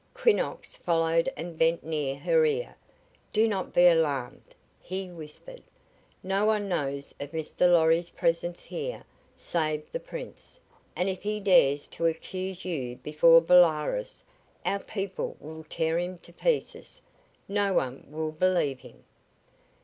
Quinnox followed and bent near her ear. "Do not be alarmed," he whispered. "No one knows of Mr. Lorry's presence here save the Prince, and if he dares to accuse you before Bolaroz our people will tear him to pieces. No one will believe him."